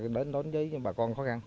đến đối với bà con khó khăn